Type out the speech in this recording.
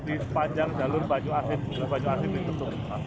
di sepanjang jalur banyu asin banyu asin itu